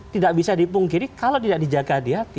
tidak bisa dipungkiri kalau tidak dijaga di hati